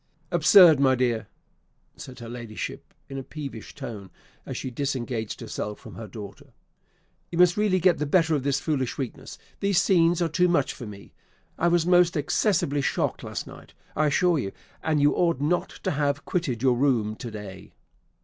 "Absurd, my dear!" said her Ladyship in a peevish tone, as she disengaged herself from her daughter; "you must really get the better of this foolish weakness; these scènes are too much for me. I was most excessively shocked last night, I assure you, and you ought not to have quitted your room to day."